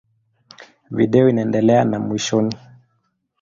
Video inaendelea na mwishoni.